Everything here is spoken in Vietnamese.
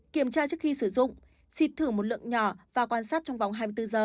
kiểm tra trước khi sử dụng xịt thử một lượng nhỏ và quan sát trong vòng hai mươi bốn giờ